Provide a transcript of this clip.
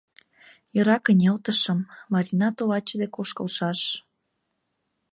Йӧра кынелтышым, Марина тулаче дек ошкылшаш.